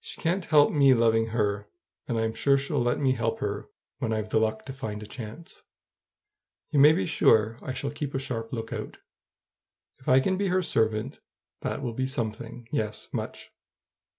She can't help me loving her, and I'm sure she'll let me help her when I've the luck to find a chance. You may be sure I shall keep a sharp lookout. If I can be her servant, that will be something; yes, much.